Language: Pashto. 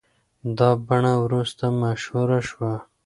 دا بڼه وروسته مشهوره شوه.